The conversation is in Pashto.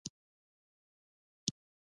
باز د ښکار زړښت ته اهمیت نه ورکوي